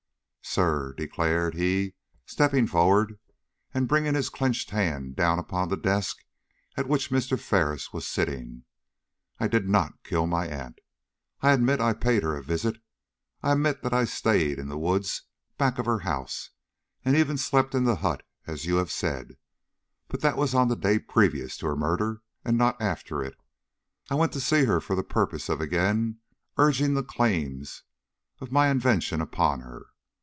Sir," declared he, stepping forward, and bringing his clenched hand down upon the desk at which Mr. Ferris was sitting, "I did not kill my aunt. I admit that I paid her a visit. I admit that I stayed in the woods back of her house, and even slept in the hut, as you have said; but that was on the day previous to her murder, and not after it. I went to see her for the purpose of again urging the claims of my invention upon her.